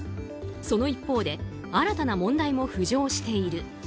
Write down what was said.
その一方で、新たな問題も浮上している。